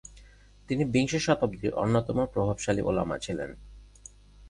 তিনি বিংশ শতাব্দীর অন্যতম প্রভাবশালী ওলামা ছিলেন।